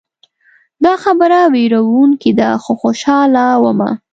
دا خبره ویروونکې ده خو خوشحاله ومه.